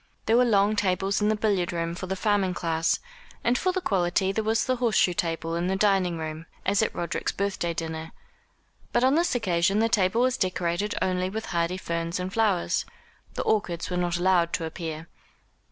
There were long tables in the billiard room for the farming class; and for the quality there was the horse shoe table in the dining room, as at Roderick's birthday dinner. But on this occasion the table was decorated only with hardy ferns and flowers. The orchids were not allowed to appear.